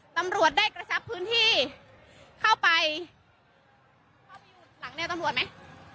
ตำรวจได้กระชับพื้นที่เข้าไปหลังแนวตำรวจไหม